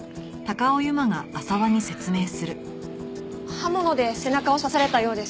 刃物で背中を刺されたようです。